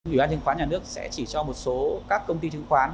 ủy ban chứng khoán nhà nước sẽ chỉ cho một số các công ty chứng khoán